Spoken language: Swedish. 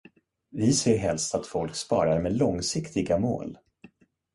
Vi ser helst att folk sparar med långsiktiga mål.